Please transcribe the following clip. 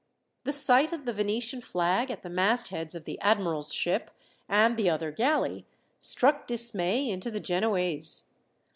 The sight of the Venetian flag, at the mastheads of the admiral's ship and the other galley, struck dismay into the Genoese.